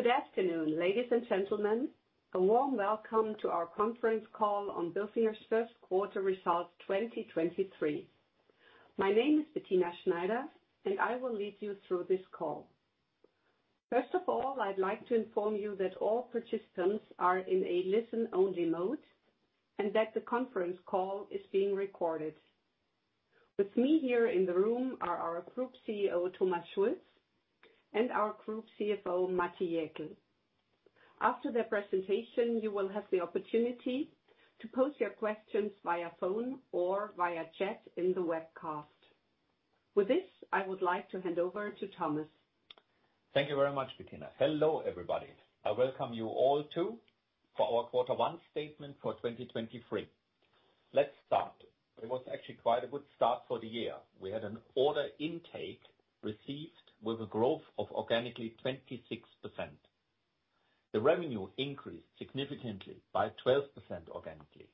Good afternoon, ladies and gentlemen. A warm welcome to our conference call on Bilfinger's first quarter results 2023. My name is Bettina Schneider, and I will lead you through this call. First of all, I'd like to inform you that all participants are in a listen-only mode and that the conference call is being recorded. With me here in the room are our Group CEO, Thomas Schulz, and our Group CFO, Matti Jäkel. After their presentation, you will have the opportunity to pose your questions via phone or via chat in the webcast. With this, I would like to hand over to Thomas. Thank you very much, Bettina. Hello, everybody. I welcome you all too for our quarter one statement for 2023. Let's start. It was actually quite a good start for the year. We had an order intake received with a growth of organically 26%. The revenue increased significantly by 12% organically.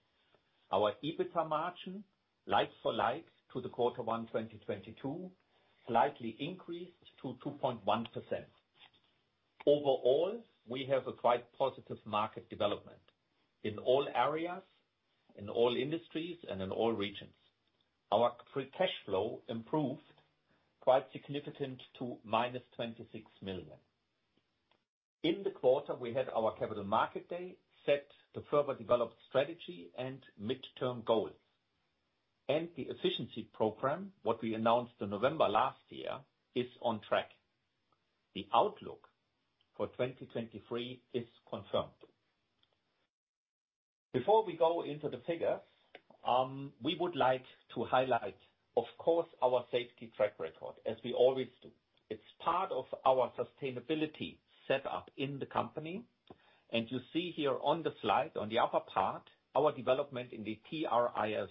Our EBITDA margin, like for like, to the quarter one 2022, slightly increased to 2.1%. Overall, we have a quite positive market development in all areas, in all industries, and in all regions. Our free cash flow improved quite significant to -26 million. In the quarter, we had our Capital Markets Day set to further develop strategy and midterm goals. The efficiency program, what we announced in November last year, is on track. The outlook for 2023 is confirmed. Before we go into the figures, we would like to highlight, of course, our safety track record as we always do. It's part of our sustainability set up in the company. You see here on the slide on the upper part, our development in the TRIF.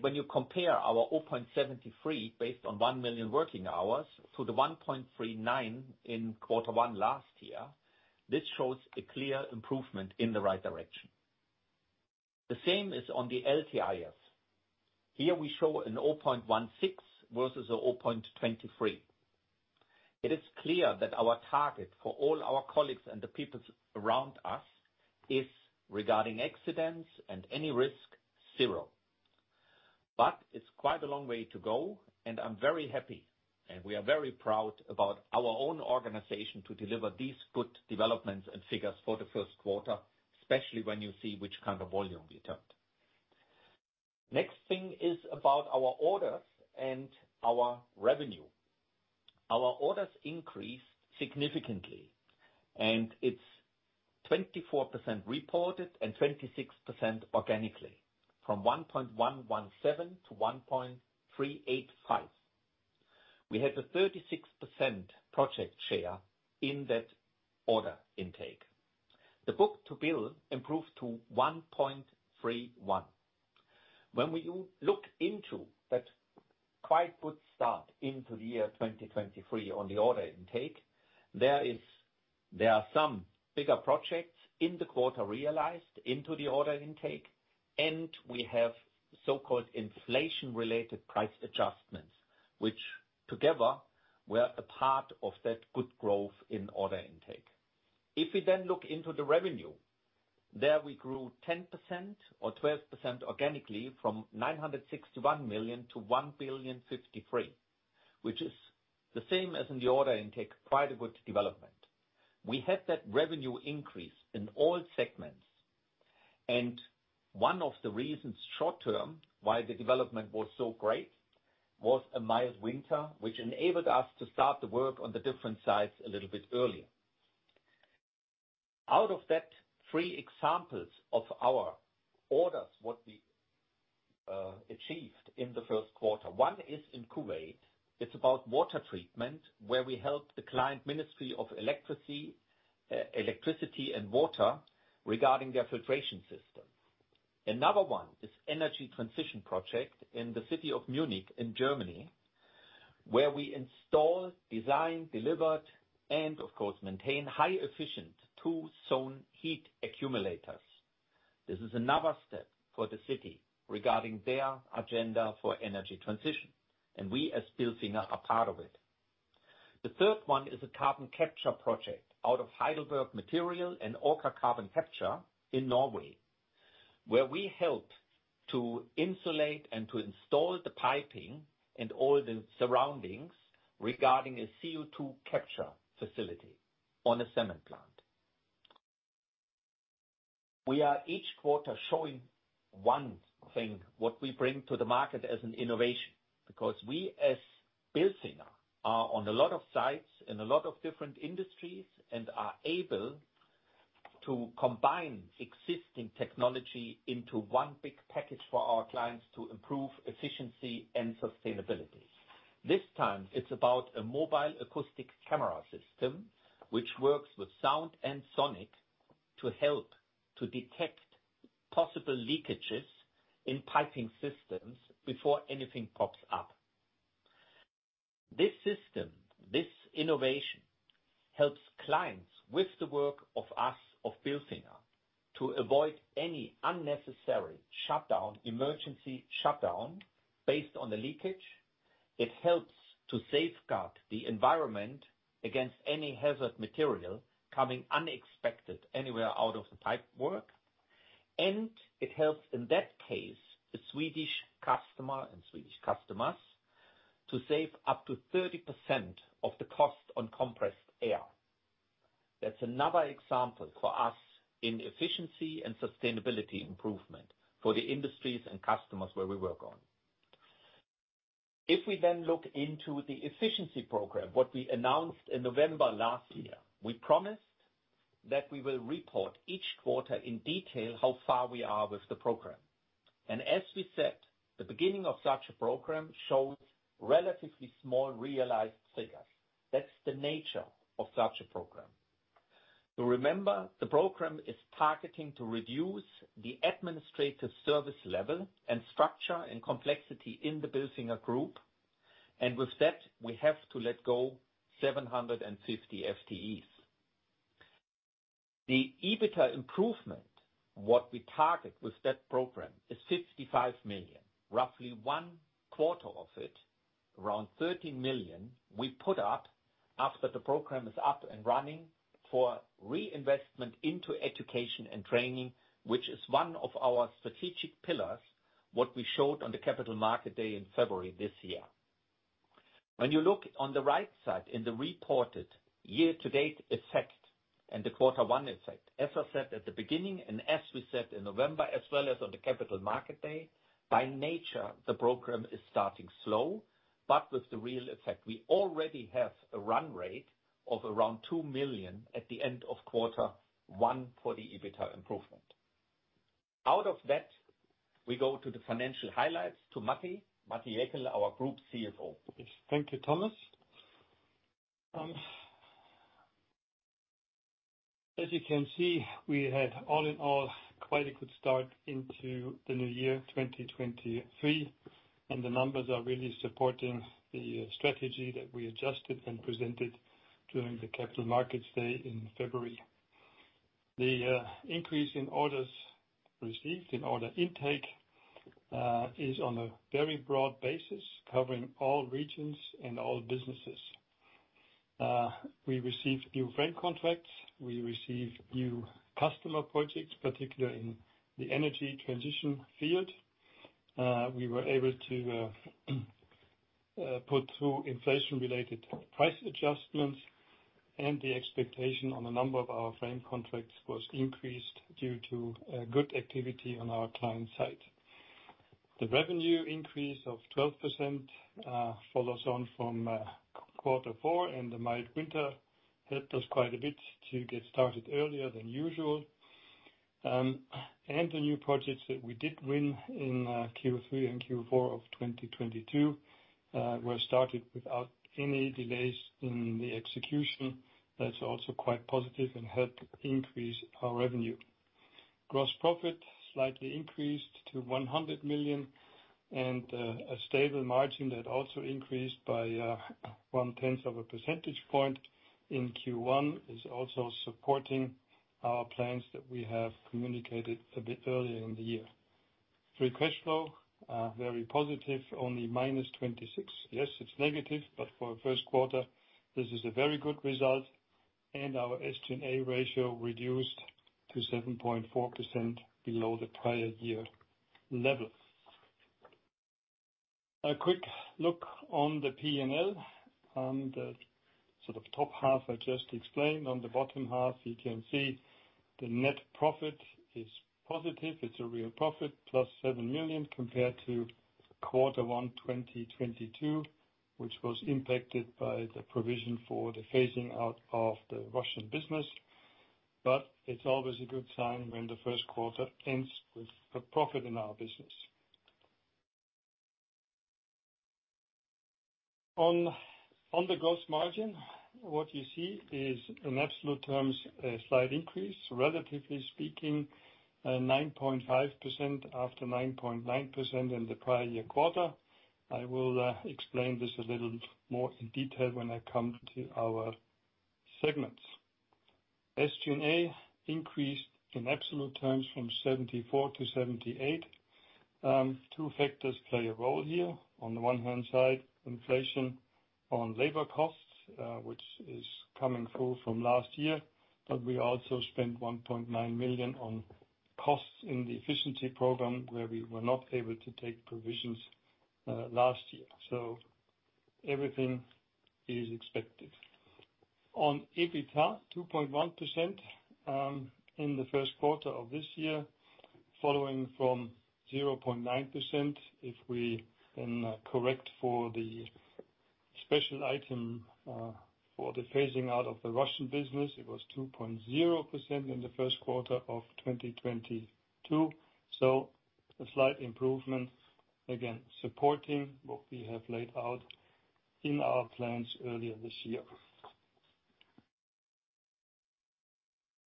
When you compare our 0.73 based on 1 million working hours to the 1.39 in Q1 last year, this shows a clear improvement in the right direction. The same is on the LTIF. Here we show an 0.16 versus a 0.23. It is clear that our target for all our colleagues and the peoples around us is regarding accidents and any risk, zero. It's quite a long way to go, and I'm very happy, and we are very proud about our own organization to deliver these good developments and figures for the first quarter, especially when you see which kind of volume we turned. Next thing is about our orders and our revenue. Our orders increased significantly, it's 24% reported and 26% organically from 1.117-1.385. We had a 36% project share in that order intake. The book-to-bill improved to 1.31. When we look into that quite good start into the year 2023 on the order intake, there are some bigger projects in the quarter realized into the order intake, and we have so-called inflation-related price adjustments, which together were a part of that good growth in order intake. We then look into the revenue, there we grew 10% or 12% organically from 961 million-1.053 billion, which is the same as in the order intake, quite a good development. We had that revenue increase in all segments. One of the reasons short-term why the development was so great was a mild winter, which enabled us to start the work on the different sites a little bit earlier. Out of that 3 examples of our orders, what we achieved in the first quarter, one is in Kuwait. It's about water treatment, where we helped the client Ministry of Electricity and Water regarding their filtration system. Another one is energy transition project in the city of Munich in Germany, where we installed, designed, delivered, and of course, maintain high efficient two-zone heat accumulators. This is another step for the city regarding their agenda for energy transition, and we as Bilfinger are part of it. The third one is a carbon capture project out of Heidelberg Materials and Orca Carbon Capture in Norway, where we helped to insulate and to install the piping and all the surroundings regarding a CO2 capture facility on a cement plant. We are each quarter showing one thing, what we bring to the market as an innovation because we, as Bilfinger, are on a lot of sites in a lot of different industries and are able to combine existing technology into one big package for our clients to improve efficiency and sustainability. This time it's about a Mobile Acoustic Camera system which works with sound and sonic to help to detect possible leakages in piping systems before anything pops up. This system, this innovation, helps clients with the work of us, of Bilfinger. To avoid any unnecessary shutdown, emergency shutdown based on the leakage. It helps to safeguard the environment against any hazard material coming unexpected anywhere out of the pipework. It helps, in that case, the Swedish customer and Swedish customers to save up to 30% of the cost on compressed air. That's another example for us in efficiency and sustainability improvement for the industries and customers where we work on. If we then look into the efficiency program, what we announced in November last year, we promised that we will report each quarter in detail how far we are with the program. As we said, the beginning of such a program shows relatively small realized figures. That's the nature of such a program. You remember, the program is targeting to reduce the administrative service level and structure and complexity in the Bilfinger Group. With that, we have to let go 750 FTEs. The EBITDA improvement, what we target with that program, is 55 million. Roughly one quarter of it, around 13 million, we put up after the program is up and running for reinvestment into education and training, which is one of our strategic pillars, what we showed on the Capital Markets Day in February this year. When you look on the right side in the reported year-to-date effect and the quarter one effect, as I said at the beginning and as we said in November, as well as on the Capital Markets Day, by nature, the program is starting slow, but with the real effect. We already have a run rate of around 2 million at the end of quarter one for the EBITDA improvement. We go to the financial highlights to Matti Jäkel, our Group CFO. Yes, thank you, Thomas. As you can see, we had all in all, quite a good start into the new year, 2023, and the numbers are really supporting the strategy that we adjusted and presented during the Capital Markets Day in February. The increase in orders received, in order intake, is on a very broad basis covering all regions and all businesses. We received new frame contracts. We received new customer projects, particularly in the energy transition field. We were able to put through inflation-related price adjustments, and the expectation on a number of our frame contracts was increased due to good activity on our client side. The revenue increase of 12%, follows on from quarter four, and the mild winter helped us quite a bit to get started earlier than usual. The new projects that we did win in Q3 and Q4 of 2022 were started without any delays in the execution. That's also quite positive and helped increase our revenue. Gross profit slightly increased to 100 million and a stable margin that also increased by 1/10 of a percentage point in Q1 is also supporting our plans that we have communicated a bit earlier in the year. Free cash flow, very positive, only -26. Yes, it's negative, but for a first quarter, this is a very good result, and our SG&A ratio reduced to 7.4% below the prior year level. A quick look on the P&L. The sort of top half I just explained. On the bottom half, you can see the net profit is positive. It's a real profit, +7 million compared to quarter one 2022, which was impacted by the provision for the phasing out of the Russian business. It's always a good sign when the first quarter ends with a profit in our business. On the gross margin, what you see is in absolute terms a slight increase, relatively speaking, 9.5% after 9.9% in the prior year quarter. I will explain this a little more in detail when I come to our segments. SG&A increased in absolute terms from 74 to 78. Two factors play a role here. On the one hand side, inflation on labor costs, which is coming through from last year, we also spent 1.9 million on costs in the efficiency program where we were not able to take provisions last year. Everything is expected. On EBITDA, 2.1% in the first quarter of this year, following from 0.9%, if we then correct for the special item for the phasing out of the Russian business, it was 2.0% in the first quarter of 2022. A slight improvement, again, supporting what we have laid out in our plans earlier this year.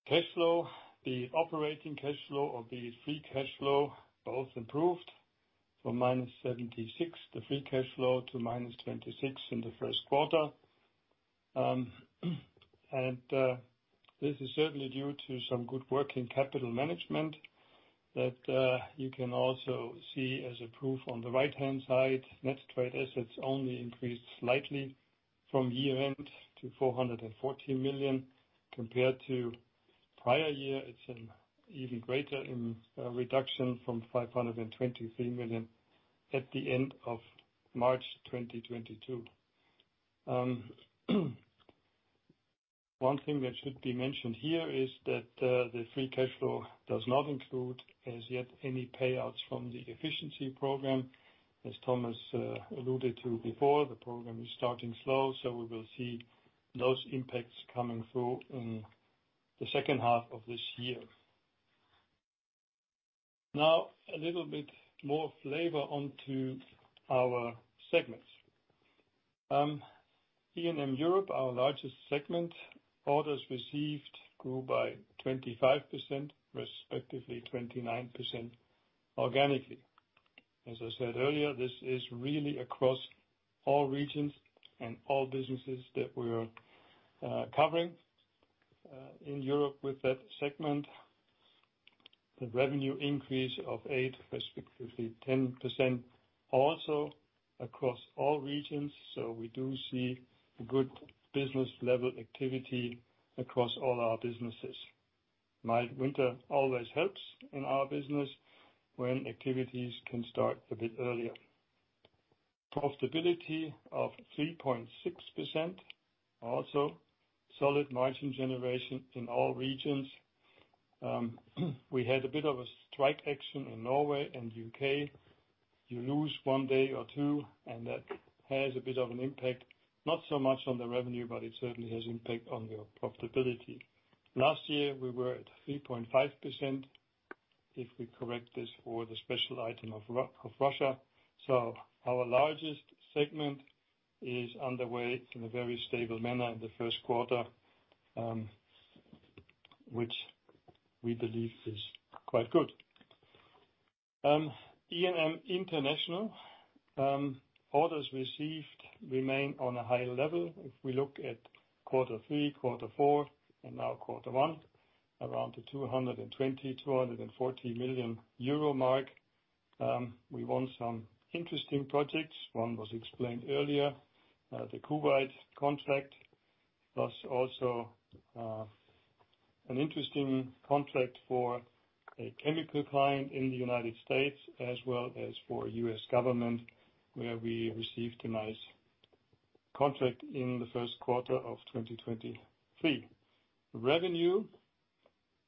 Cash flow. The operating cash flow or the free cash flow both improved from -76, the free cash flow, to -26 in the first quarter. This is certainly due to some good working capital management that you can also see as a proof on the right-hand side. Net trade assets only increased slightly from year-end to 440 million compared to prior year. It's an even greater reduction from 523 million at the end of March 2022. One thing that should be mentioned here is that the free cash flow does not include as yet any payouts from the efficiency program. As Thomas alluded to before, the program is starting slow. We will see those impacts coming through in the second half of this year. A little bit more flavor onto our segments. E&M Europe, our largest segment, orders received grew by 25%, respectively 29% organically. As I said earlier, this is really across all regions and all businesses that we're covering in Europe with that segment. The revenue increase of 8%, respectively 10% also across all regions. We do see a good business level activity across all our businesses. Mild winter always helps in our business when activities can start a bit earlier. Profitability of 3.6%, also solid margin generation in all regions. We had a bit of a strike action in Norway and UK. You lose 1 day or 2, and that has a bit of an impact, not so much on the revenue, but it certainly has impact on your profitability. Last year, we were at 3.5% if we correct this for the special item of Russia. Our largest segment is underway in a very stable manner in the first quarter, which we believe is quite good. E&M International, orders received remain on a high level. If we look at quarter three, quarter four, and now quarter one, around the 220 million-240 million euro mark. We won some interesting projects. One was explained earlier, the Kuwait contract. An interesting contract for a chemical client in the United States as well as for US government, where we received a nice contract in the first quarter of 2023. Revenue,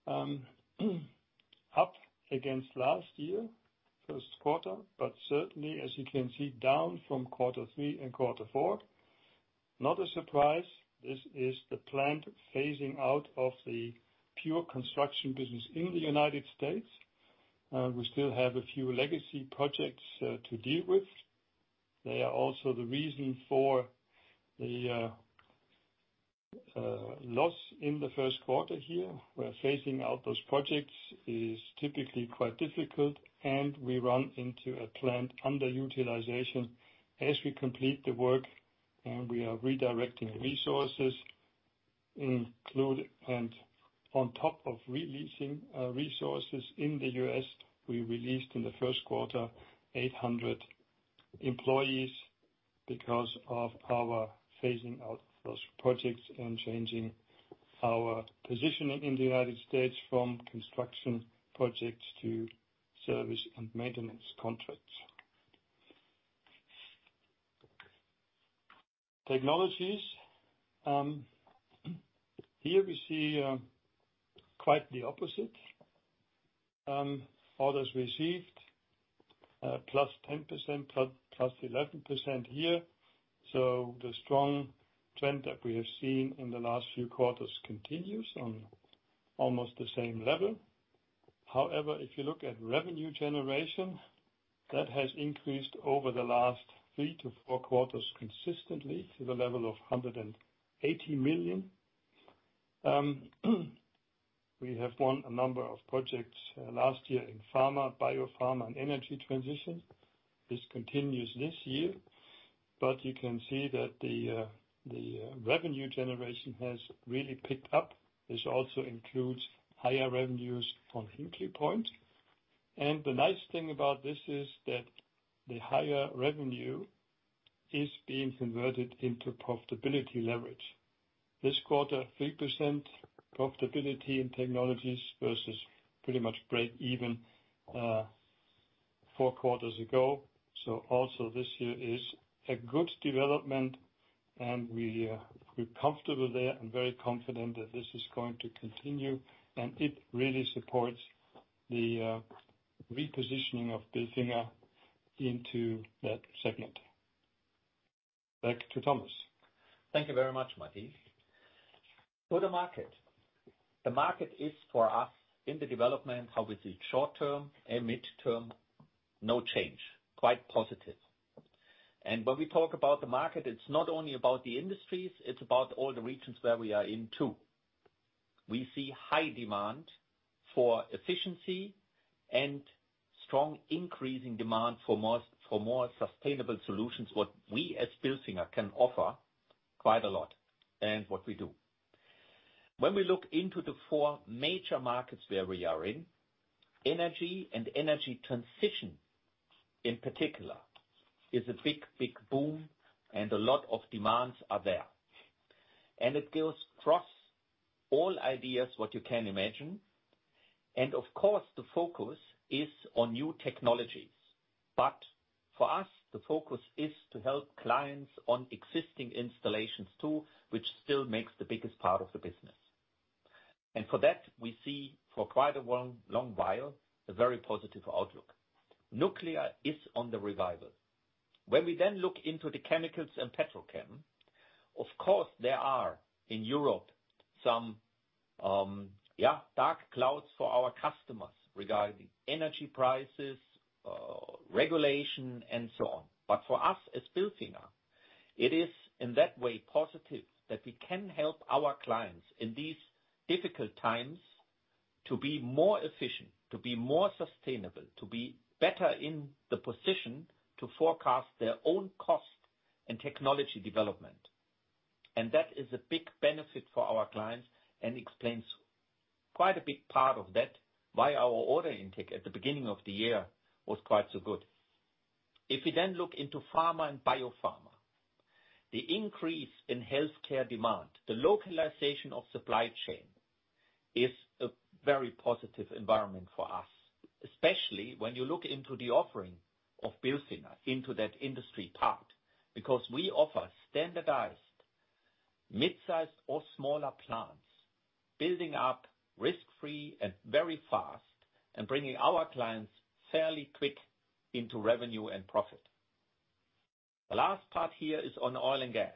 up against last year, first quarter, as you can see, down from quarter three and quarter four. Not a surprise. This is the planned phasing out of the pure construction business in the United States. We still have a few legacy projects to deal with. They are also the reason for the loss in the first quarter here, where phasing out those projects is typically quite difficult and we run into a planned underutilization as we complete the work and we are redirecting resources include and on top of releasing resources in the U.S., we released in the first quarter 800 employees because of our phasing out those projects and changing our positioning in the United States from construction projects to service and maintenance contracts. Technologies. Here we see quite the opposite. Orders received +10%, + 11% here. The strong trend that we have seen in the last few quarters continues on almost the same level. If you look at revenue generation, that has increased over the last three to four quarters consistently to the level of 180 million. We have won a number of projects last year in pharma, biopharma, and energy transition. This continues this year. You can see that the revenue generation has really picked up, which also includes higher revenues from Entry Point. The nice thing about this is that the higher revenue is being converted into profitability leverage. This quarter, 3% profitability in Technologies versus pretty much break even four quarters ago. Also this year is a good development and we're comfortable there and very confident that this is going to continue and it really supports the repositioning of Bilfinger into that segment. Back to Thomas. Thank you very much, Matti. The market is for us in the development, how we see short term and mid term, no change, quite positive. When we talk about the market, it's not only about the industries, it's about all the regions where we are in too. We see high demand for efficiency and strong increasing demand for more sustainable solutions, what we as Bilfinger can offer quite a lot, and what we do. When we look into the four major markets where we are in, energy and energy transition in particular is a big boom, and a lot of demands are there. It goes across all ideas what you can imagine. Of course, the focus is on new technologies. For us, the focus is to help clients on existing installations too, which still makes the biggest part of the business. For that, we see for quite a long while a very positive outlook. Nuclear is on the revival. When we look into the chemicals and petrol chem, of course there are in Europe some, yeah, dark clouds for our customers regarding energy prices, regulation, and so on. For us as Bilfinger, it is in that way positive that we can help our clients in these difficult times to be more efficient, to be more sustainable, to be better in the position to forecast their own cost and technology development. That is a big benefit for our clients and explains quite a big part of that, why our order intake at the beginning of the year was quite so good. If we look into pharma and biopharma, the increase in healthcare demand, the localization of supply chain is a very positive environment for us, especially when you look into the offering of Bilfinger into that industry part. We offer standardized midsize or smaller plants building up risk-free and very fast and bringing our clients fairly quick into revenue and profit. The last part here is on oil and gas.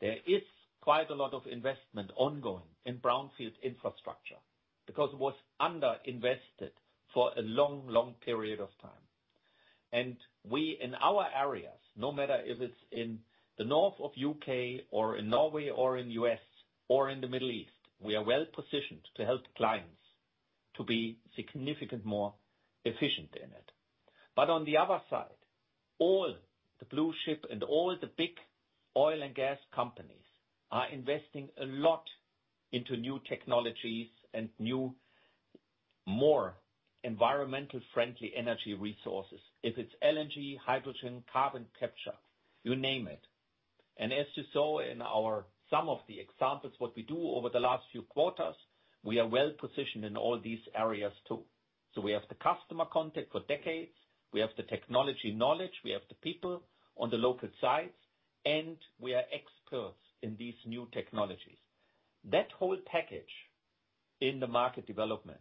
There is quite a lot of investment ongoing in brownfield infrastructure because it was underinvested for a long, long period of time. We, in our areas, no matter if it's in the north of UK or in Norway or in US or in the Middle East, we are well positioned to help clients to be significant more efficient in it. On the other side, all the blue chip and all the big oil and gas companies are investing a lot into new technologies and new, more environmental friendly energy resources. If it's LNG, hydrogen, carbon capture, you name it. As you saw in some of the examples what we do over the last few quarters, we are well positioned in all these areas too. We have the customer contact for decades, we have the technology knowledge, we have the people on the local sites, and we are experts in these new technologies. That whole package in the market development,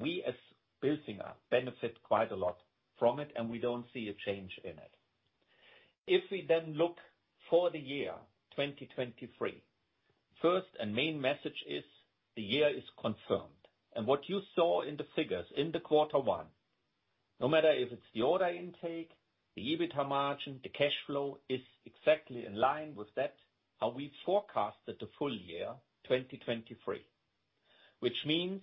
we as Bilfinger benefit quite a lot from it, and we don't see a change in it. If we then look for the year 2023, first and main message is the year is confirmed. What you saw in the figures in the quarter one, no matter if it's the order intake, the EBITDA margin, the cash flow is exactly in line with that, how we forecasted the full year 2023. Which means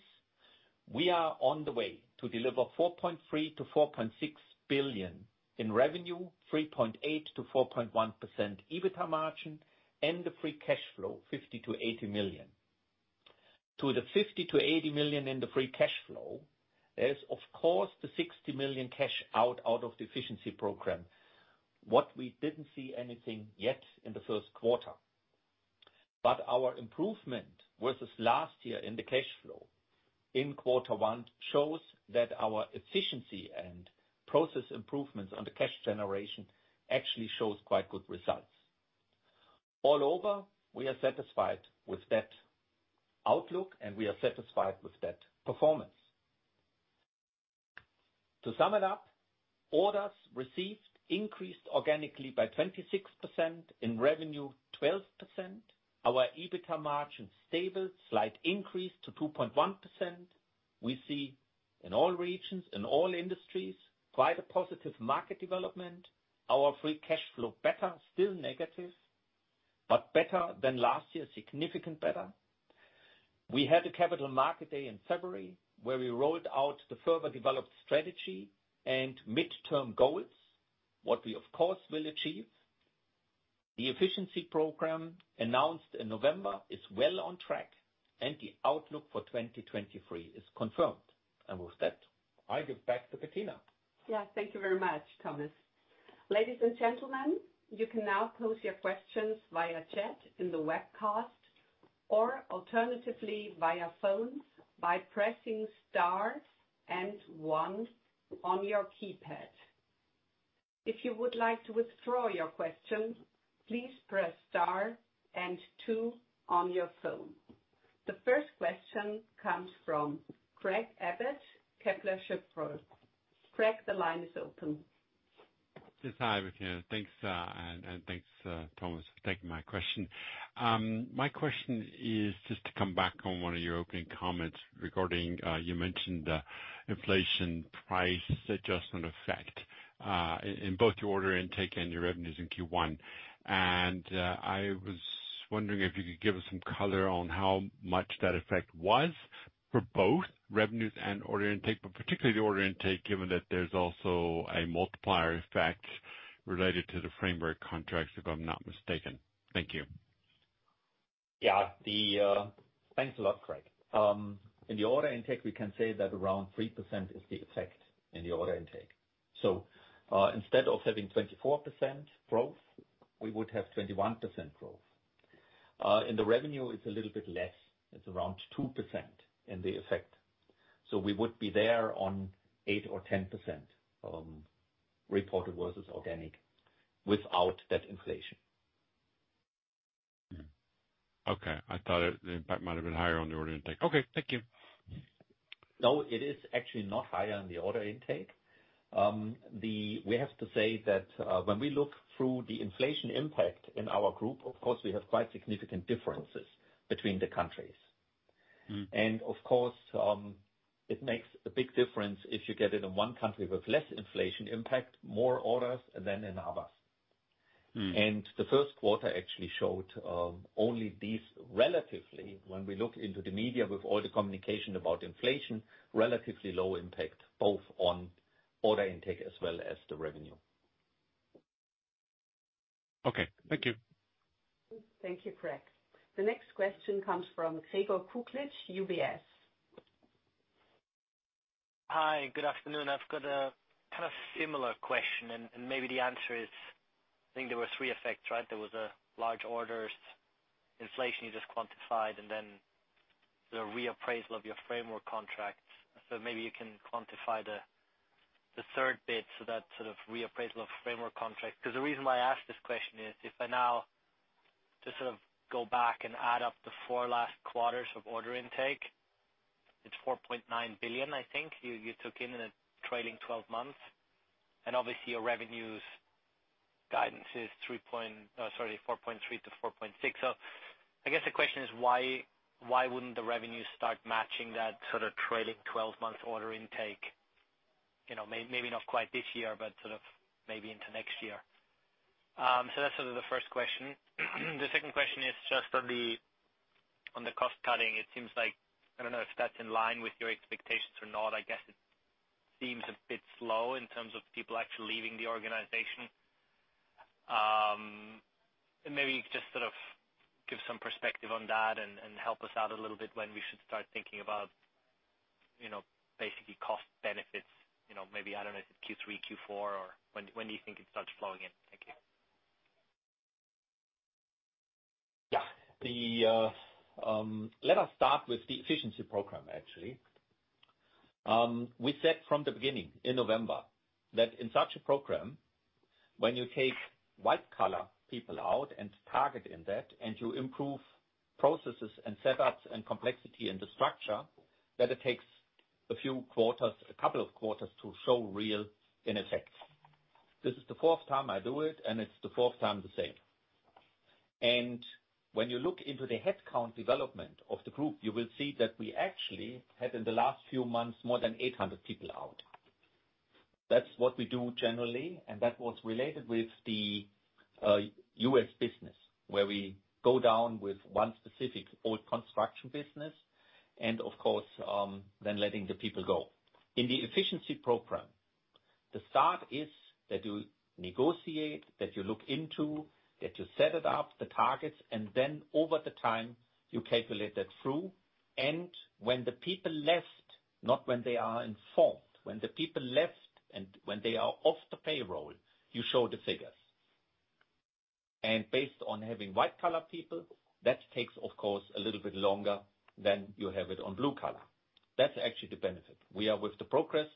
we are on the way to deliver 4.3 billion-4.6 billion in revenue, 3.8%-4.1% EBITDA margin, and the free cash flow, 50 million-80 million. To the 50 million-80 million in the free cash flow, there is of course the 60 million cash out of the efficiency program. What we didn't see anything yet in the first quarter. Our improvement versus last year in the cash flow in quarter one shows that our efficiency and process improvements on the cash generation actually shows quite good results. All over, we are satisfied with that outlook, and we are satisfied with that performance. To sum it up, orders received increased organically by 26%, in revenue, 12%. Our EBITDA margin stable, slight increase to 2.1%. We see in all regions, in all industries, quite a positive market development. Our free cash flow better, still negative, but better than last year, significant better. We had a Capital Markets Day in February where we rolled out the further developed strategy and midterm goals, what we of course will achieve. The efficiency program announced in November is well on track and the outlook for 2023 is confirmed. With that, I give back to Bettina. Thank you very much, Thomas. Ladies and gentlemen, you can now pose your questions via chat in the webcast or alternatively via phone by pressing star and one on your keypad. If you would like to withdraw your question, please press star and two on your phone. The first question comes from Craig Abbott, Kepler Cheuvreux. Greg, the line is open. Yes. Hi, Bettina. Thanks, and thanks, Thomas for taking my question. My question is just to come back on one of your opening comments regarding, you mentioned the inflation price adjustment effect. In both your order intake and your revenues in Q1. I was wondering if you could give us some color on how much that effect was for both revenues and order intake, but particularly the order intake, given that there's also a multiplier effect related to the framework contracts, if I'm not mistaken. Thank you. Yeah. The... Thanks a lot, Craig. In the order intake, we can say that around 3% is the effect in the order intake. Instead of having 24% growth, we would have 21% growth. In the revenue, it's a little bit less. It's around 2% in the effect. We would be there on 8% or 10% reported versus organic without that inflation. Okay. The impact might have been higher on the order intake. Okay, thank you. No, it is actually not higher on the order intake. We have to say that, when we look through the inflation impact in our group, of course, we have quite significant differences between the countries. Mm-hmm. Of course, it makes a big difference if you get it in one country with less inflation impact, more orders than in others. Mm-hmm. The first quarter actually showed only these relatively, when we look into the media with all the communication about inflation, relatively low impact both on order intake as well as the revenue. Okay. Thank you. Thank you, Craig. The next question comes from Gregor Kuglitsch, UBS. Hi. Good afternoon. I've got a kind of similar question and maybe the answer is, I think there were three effects, right? There was large orders, inflation you just quantified, and then the reappraisal of your framework contracts. Maybe you can quantify the third bit so that sort of reappraisal of framework contracts. The reason why I ask this question is if I now just sort of go back and add up the four last quarters of order intake, it's 4.9 billion I think you took in a trailing 12 months. Obviously your revenues guidance is Oh, sorry, 4.3 billion-4.6 billion. I guess the question is why wouldn't the revenues start matching that sort of trailing 12 months order intake, you know, maybe not quite this year, but sort of maybe into next year? That's sort of the first question. The second question is just on the cost cutting. It seems like, I don't know if that's in line with your expectations or not. I guess it seems a bit slow in terms of people actually leaving the organization. Maybe just sort of give some perspective on that and help us out a little bit when we should start thinking about, you know, basically cost benefits, you know, maybe, I don't know, is it Q3, Q4, or when do you think it starts flowing in? Thank you. Let us start with the efficiency program, actually. We said from the beginning in November that in such a program, when you take white collar people out and target in that, and you improve processes and setups and complexity in the structure, that it takes a few quarters, a couple of quarters to show real in effect. This is the fourth time I do it, and it's the fourth time the same. When you look into the headcount development of the group, you will see that we actually had, in the last few months, more than 800 people out. That's what we do generally, and that was related with the U.S. business, where we go down with one specific old construction business and of course, then letting the people go. In the efficiency program, the start is that you negotiate, that you look into, that you set it up, the targets, then over the time you calculate that through. When the people left, not when they are informed, when the people left and when they are off the payroll, you show the figures. Based on having white collar people, that takes of course a little bit longer than you have it on blue collar. That's actually the benefit. We are with the progress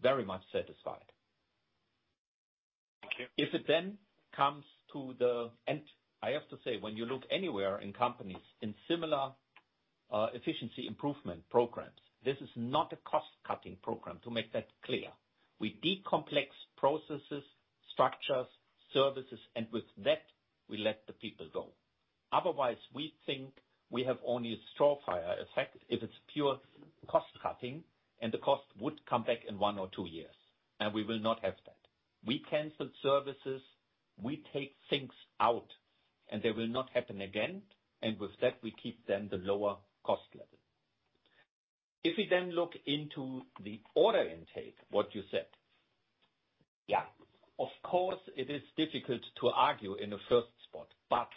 very much satisfied. Thank you. It comes to the end, I have to say when you look anywhere in companies in similar efficiency improvement programs, this is not a cost-cutting program. To make that clear, we decomplex processes, structures, services. With that we let the people go. Otherwise we think we have only a straw fire effect if it's pure cost-cutting and the cost would come back in one or two years. We will not have that. We cancel services. We take things out. They will not happen again. With that we keep then the lower cost level. We look into the order intake, what you said, of course it is difficult to argue in the first spot.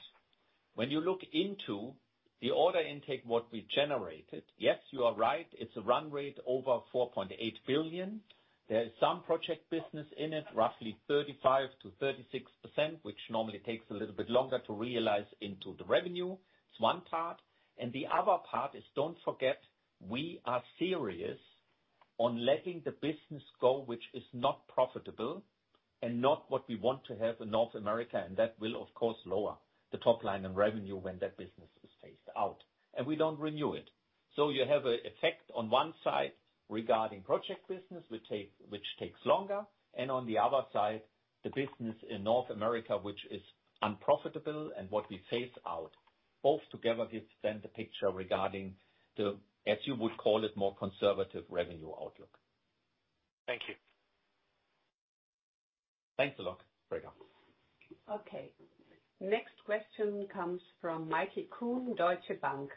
When you look into the order intake, what we generated, yes, you are right, it's a run rate over 4.8 billion. There is some project business in it, roughly 35%-36%, which normally takes a little bit longer to realize into the revenue. It's one part. The other part is don't forget we are serious on letting the business go which is not profitable and not what we want to have in North America, and that will of course lower the top line in revenue when that business is phased out and we don't renew it. You have a effect on one side regarding project business which takes longer, and on the other side, the business in North America, which is unprofitable and what we phase out. Both together give then the picture regarding the, as you would call it, more conservative revenue outlook. Thank you. Thanks a lot. Bye now. Okay. Next question comes from Michael Kuhn, Deutsche Bank.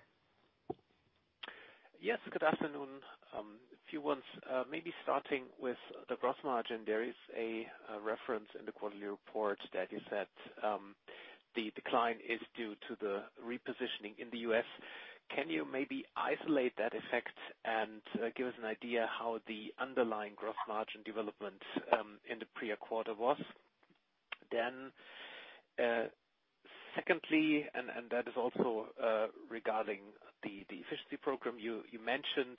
Yes, good afternoon. A few ones. Maybe starting with the gross margin. There is a reference in the quarterly report that you said the decline is due to the repositioning in the U.S. Can you maybe isolate that effect and give us an idea how the underlying gross margin development in the prior quarter was? Secondly, and that is also regarding the efficiency program. You mentioned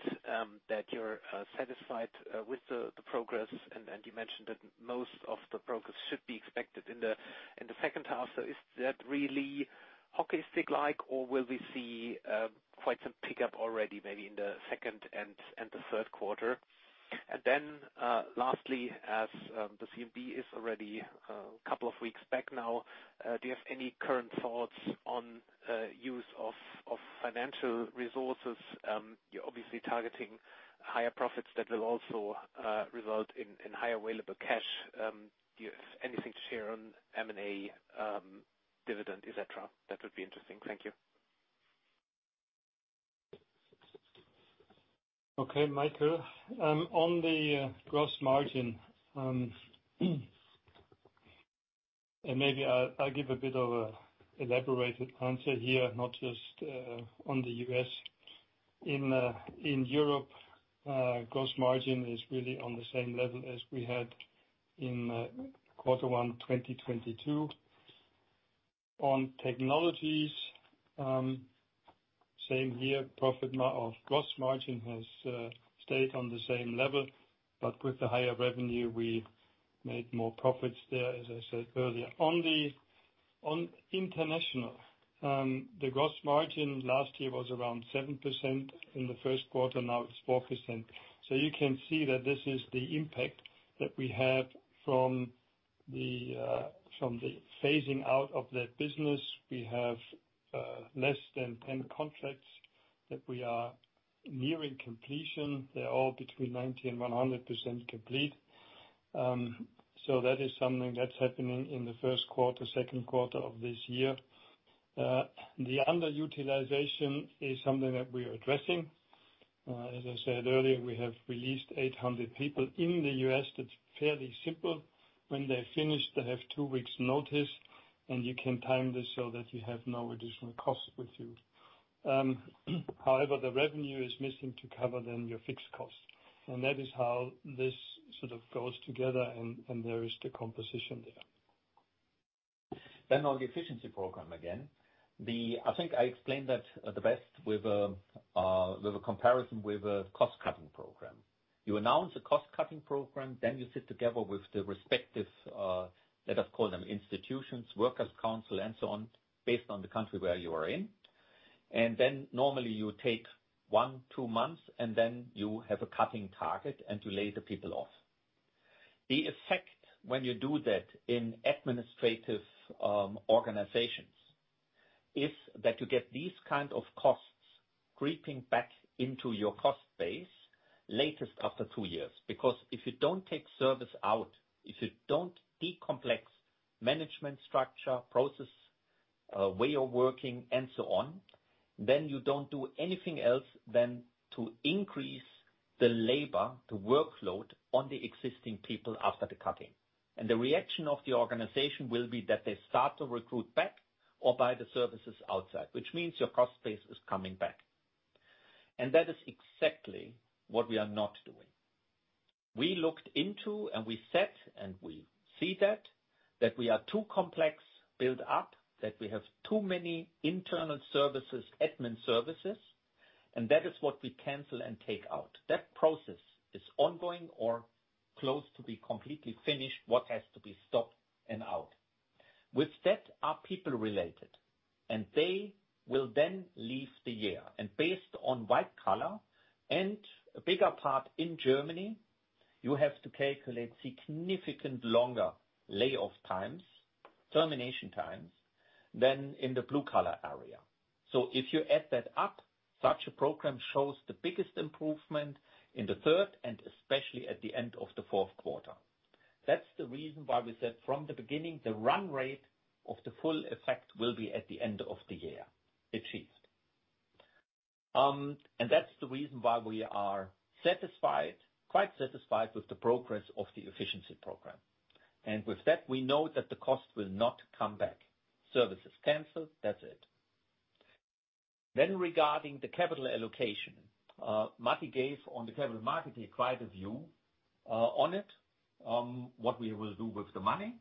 that you're satisfied with the progress, and you mentioned that most of the progress should be expected in the second half. Is that really hockey stick-like, or will we see quite some pickup already, maybe in the second and the third quarter? Lastly, as the CMB is already a couple of weeks back now, do you have any current thoughts on use of financial resources? You're obviously targeting higher profits that will also result in higher available cash. Do you have anything to share on M&A, dividend, et cetera? That would be interesting. Thank you. Okay, Michael. Maybe I'll give a bit of an elaborated answer here, not just on the U.S. In Europe, gross margin is really on the same level as we had in quarter 1, 2022. On Technologies, same here, or gross margin has stayed on the same level, but with the higher revenue, we made more profits there, as I said earlier. On International, the gross margin last year was around 7% in the first quarter. Now it's 4%. You can see that this is the impact that we have from the phasing out of that business. We have less than 10 contracts that we are nearing completion. They're all between 90% and 100% complete. That is something that's happening in the first quarter, second quarter of this year. The underutilization is something that we are addressing. As I said earlier, we have released 800 people in the U.S. That's fairly simple. When they're finished, they have 2 weeks notice, and you can time this so that you have no additional cost with you. The revenue is missing to cover then your fixed cost. That is how this sort of goes together and there is the composition there. On the efficiency program again, I think I explained that the best with a comparison with a cost-cutting program. You announce a cost-cutting program, then you sit together with the respective, let us call them institutions, workers council and so on, based on the country where you are in. Normally you take 1, 2 months, and then you have a cutting target and to lay the people off. The effect when you do that in administrative organizations, is that you get these kind of costs creeping back into your cost base latest after 2 years. If you don't take service out, if you don't decomplex management structure, process, way of working and so on, then you don't do anything else than to increase the labor, the workload on the existing people after the cutting. The reaction of the organization will be that they start to recruit back or buy the services outside, which means your cost base is coming back. That is exactly what we are not doing. We looked into and we said, and we see that we are too complex built up, that we have too many internal services, admin services, and that is what we cancel and take out. That process is ongoing or close to be completely finished, what has to be stopped and out. With that are people related, and they will then leave the year. Based on white collar and a bigger part in Germany, you have to calculate significant longer lay-off times, termination times, than in the blue-collar area. If you add that up, such a program shows the biggest improvement in the third and especially at the end of the fourth quarter. That's the reason why we said from the beginning, the run rate of the full effect will be at the end of the year achieved. That's the reason why we are quite satisfied with the progress of the efficiency program. With that, we know that the cost will not come back. Service is canceled, that's it. Regarding the capital allocation, Marty gave on the capital market, he acquired a view on it, what we will do with the money.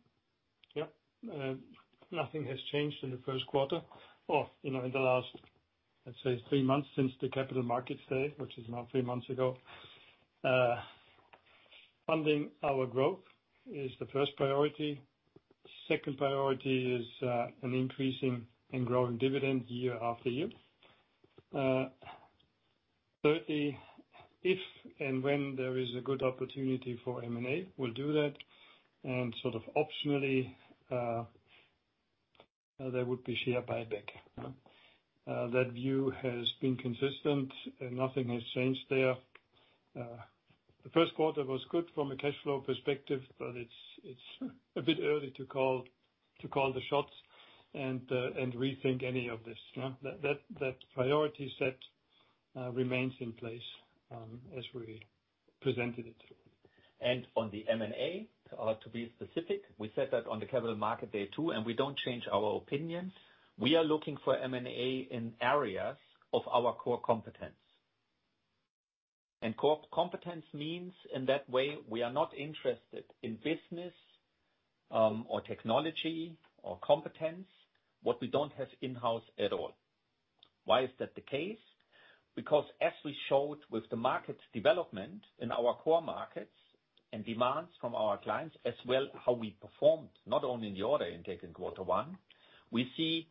Nothing has changed in the first quarter or, you know, in the last, let's say, three months since the Capital Markets Day, which is now three months ago. Funding our growth is the first priority. Second priority is an increasing and growing dividend year after year. Thirdly, if and when there is a good opportunity for M&A, we'll do that, sort of optionally, there would be share buyback, you know. That view has been consistent and nothing has changed there. The first quarter was good from a cash flow perspective, it's a bit early to call the shots and rethink any of this, yeah. That priority set remains in place as we presented it. On the M&A, to be specific, we said that on the Capital Markets Day too. We don't change our opinions. We are looking for M&A in areas of our core competence. Core competence means in that way we are not interested in business, or technology or competence, what we don't have in-house at all. Why is that the case? Because as we showed with the market development in our core markets and demands from our clients as well, how we performed not only in the order intake in quarter one, we see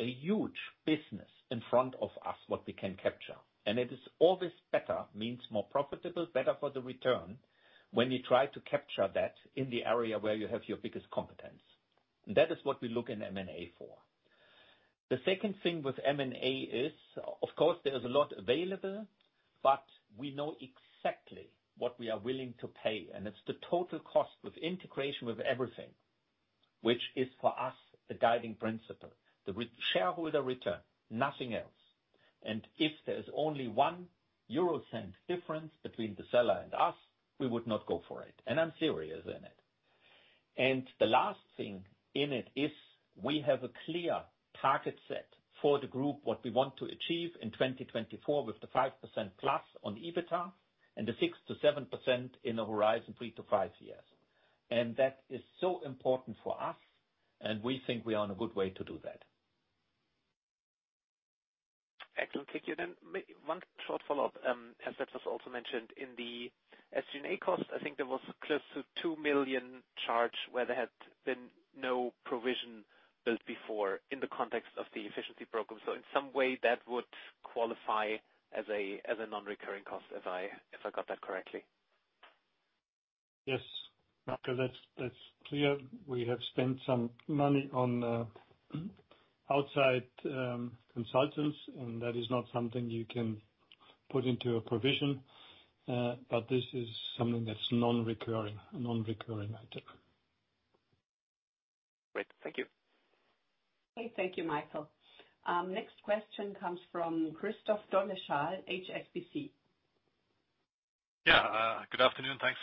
a huge business in front of us, what we can capture. It is always better, means more profitable, better for the return when you try to capture that in the area where you have your biggest competence. That is what we look in M&A for. The second thing with M&A is, of course, there's a lot available, but we know exactly what we are willing to pay, and it's the total cost with integration, with everything, which is for us, the guiding principle. Shareholder return, nothing else. If there's only 0.01 difference between the seller and us, we would not go for it. I'm serious in it. The last thing in it is we have a clear target set for the group, what we want to achieve in 2024 with the 5%+ on EBITDA and the 6%-7% in the horizon 3-5 years. That is so important for us, and we think we are on a good way to do that. Excellent. Thank you. One short follow-up, as that was also mentioned in the SG&A cost, I think there was close to 2 million charge where there had been no provision built before in the context of the efficiency program. In some way, that would qualify as a non-recurring cost, if I got that correctly? Yes. Michael, that's clear. We have spent some money on outside consultants. That is not something you can put into a provision. This is something that's non-recurring, a non-recurring item. Great. Thank you. Okay. Thank you, Michael. Next question comes from Christoph Doleschal, HSBC. Good afternoon. Thanks.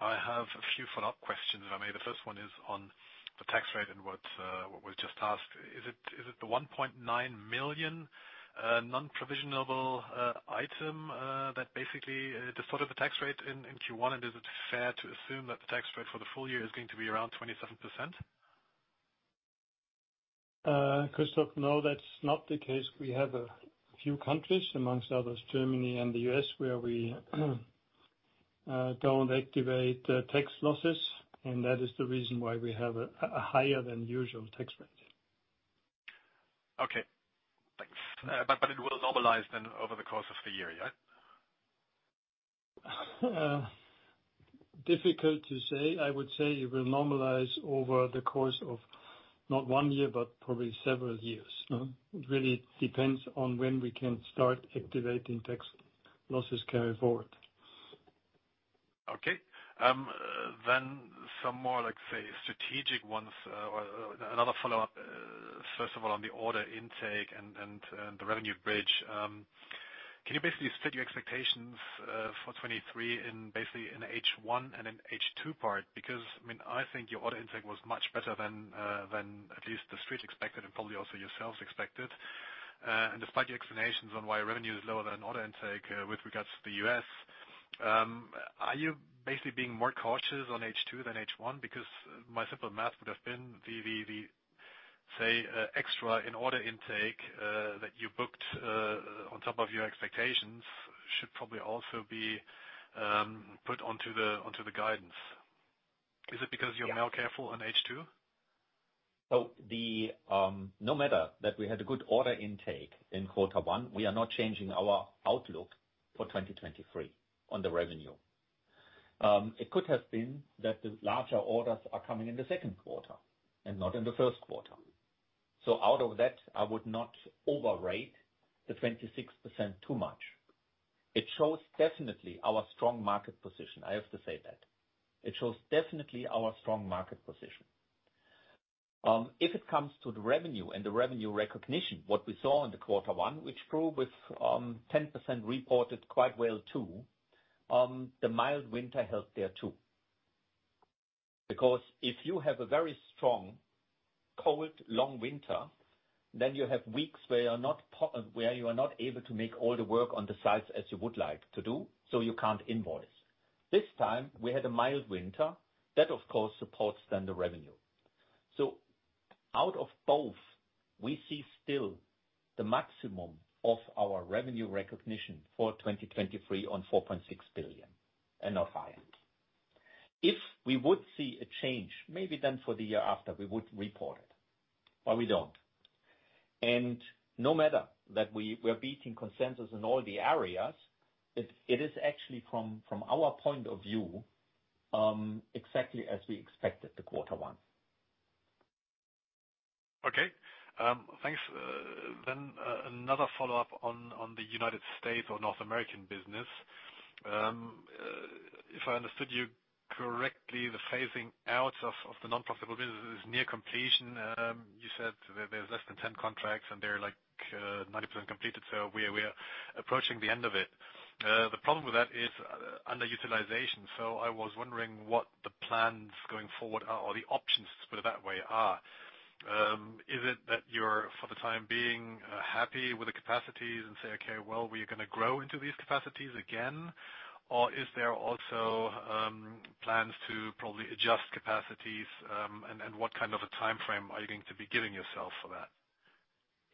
I have a few follow-up questions. The first one is on the tax rate and what was just asked. Is it the 1.9 million non-provisionable item that basically the sort of the tax rate in Q1, and is it fair to assume that the tax rate for the full year is going to be around 27%? Christoph, no, that's not the case. We have a few countries, among others, Germany and the U.S., where we don't activate tax losses, and that is the reason why we have a higher than usual tax rate. Okay. Thanks. It will normalize then over the course of the year, right? Difficult to say. I would say it will normalize over the course of not 1 year, but probably several years. Mm-hmm. It really depends on when we can start activating tax losses carry forward. Okay. Some more, like, say, strategic ones, or another follow-up, first of all, on the order intake and the revenue bridge. Can you basically state your expectations for 23 in basically in H one and in H two part? I mean, I think your order intake was much better than at least the Street expected and probably also yourselves expected. Despite your explanations on why revenue is lower than order intake, with regards to the U.S., are you basically being more cautious on H two than H one? My simple math would have been the, say, extra in order intake that you booked on top of your expectations should probably also be put onto the guidance. Is it because you're more careful on H two? No matter that we had a good order intake in quarter one, we are not changing our outlook for 2023 on the revenue. It could have been that the larger orders are coming in the second quarter and not in the first quarter. Out of that, I would not overrate the 26% too much. It shows definitely our strong market position. I have to say that. It shows definitely our strong market position. If it comes to the revenue and the revenue recognition, what we saw in the quarter one, which grew with 10% reported quite well too, the mild winter helped there too. If you have a very strong, cold, long winter, then you have weeks where you are not able to make all the work on the sites as you would like to do, so you can't invoice. This time, we had a mild winter. That, of course, supports then the revenue. Out of both, we see still the maximum of our revenue recognition for 2023 on 4.6 billion and not higher. If we would see a change, maybe then for the year after, we would report it, but we don't. No matter that we're beating consensus in all the areas, it is actually from our point of view, exactly as we expected the quarter one. Okay. Thanks. Another follow-up on the United States or North American business. If I understood you correctly, the phasing out of the non-profitable business is near completion. You said there's less than 10 contracts and they're like 90% completed. We are approaching the end of it. The problem with that is underutilization. I was wondering what the plans going forward are, or the options, let's put it that way, are. Is it that you're, for the time being, happy with the capacities and say, "Okay, well, we are gonna grow into these capacities again"? Or is there also plans to probably adjust capacities, and what kind of a timeframe are you going to be giving yourself for that?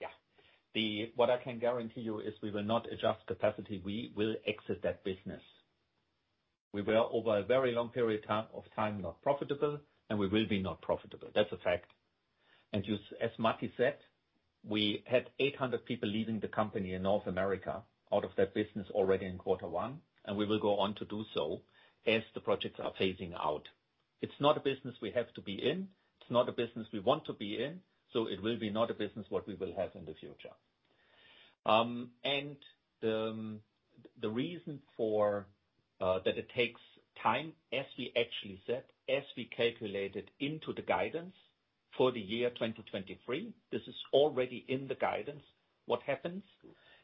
Yeah. What I can guarantee you is we will not adjust capacity. We will exit that business. We were over a very long period of time not profitable, and we will be not profitable. That's a fact. You as Marty said, we had 800 people leaving the company in North America out of that business already in Q1, and we will go on to do so as the projects are phasing out. It's not a business we have to be in. It's not a business we want to be in. It will be not a business what we will have in the future. The reason for that it takes time, as we actually said, as we calculated into the guidance for the year 2023, this is already in the guidance. What happens,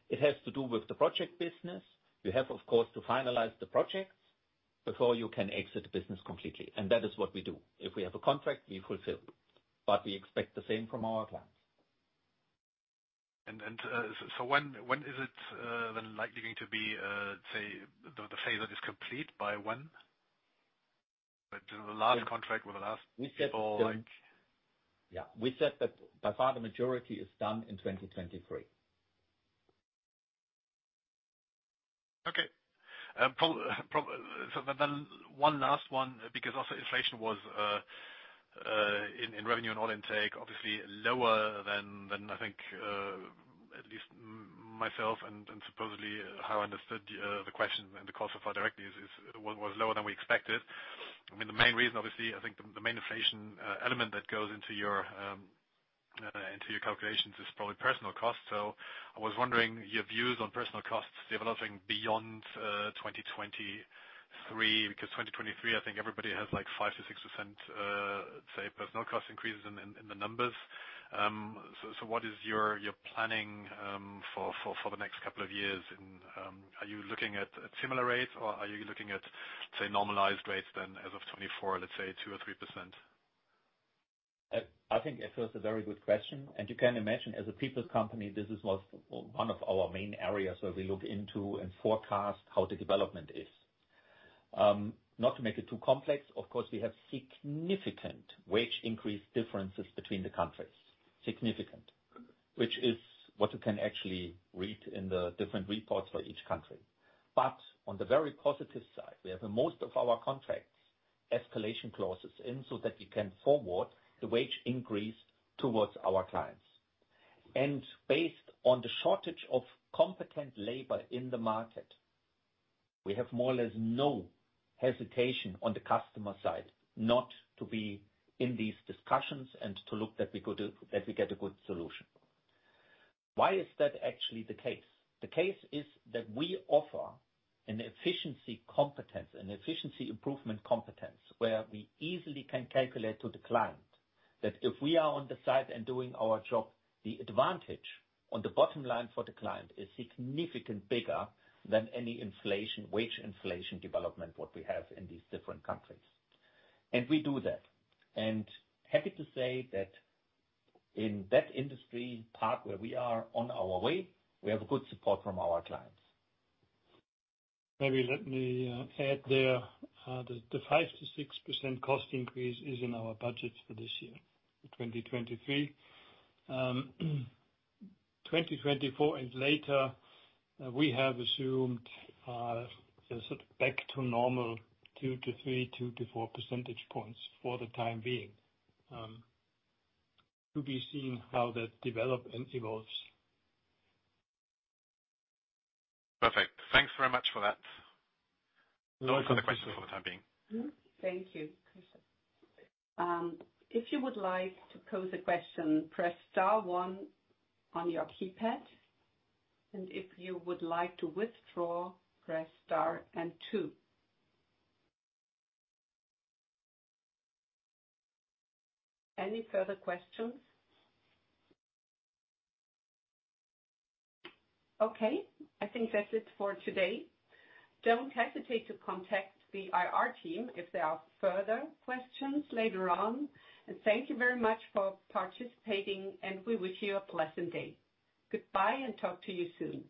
it has to do with the project business. You have, of course, to finalize the projects before you can exit the business completely. That is what we do. If we have a contract, we fulfill. We expect the same from our clients. When is it then likely going to be, say, the phase that is complete by when? The last contract with the last people like... Yeah. We said that by far the majority is done in 2023. Okay. One last one, because also inflation was in revenue and order intake obviously lower than I think, at least myself and supposedly how I understood the question and the call so far directly is, was lower than we expected. I mean, the main reason, obviously, I think the main inflation element that goes into your into your calculations is probably personal cost. I was wondering your views on personal costs developing beyond 2023. Because 2023, I think everybody has, like, 5%-6%, say, personal cost increases in the numbers. What is your planning for the next couple of years? Are you looking at similar rates or are you looking at, say, normalized rates then as of 2024, let's say 2% or 3%? I think it was a very good question. You can imagine as a people company, this was one of our main areas where we look into and forecast how the development is. Not to make it too complex, of course, we have significant wage increase differences between the countries. Significant, which is what you can actually read in the different reports for each country. On the very positive side, we have in most of our contracts escalation clauses in so that we can forward the wage increase towards our clients. Based on the shortage of competent labor in the market, we have more or less no hesitation on the customer side not to be in these discussions and to look that we get a good solution. Why is that actually the case? The case is that we offer an efficiency competence, an efficiency improvement competence, where we easily can calculate to the client that if we are on the site and doing our job, the advantage on the bottom line for the client is significantly bigger than any inflation, wage inflation development what we have in these different countries. We do that. Happy to say that in that industry part where we are on our way, we have good support from our clients. Maybe let me add there, the 5%-6% cost increase is in our budget for this year, 2023. 2024 and later, we have assumed a sort of back to normal 2-3, 2-4 percentage points for the time being. To be seen how that develop and evolves. Perfect. Thanks very much for that. No further questions for the time being. Mm-hmm. Thank you. If you would like to pose a question, press star one on your keypad. If you would like to withdraw, press star and two. Any further questions? Okay, I think that's it for today. Don't hesitate to contact the IR team if there are further questions later on. Thank you very much for participating, and we wish you a p leasant day. Goodbye and talk to you soon.